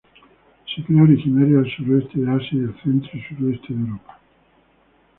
Se cree originaria del suroeste de Asia y del centro y suroeste de Europa.